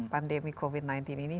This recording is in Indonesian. pandemi covid sembilan belas ini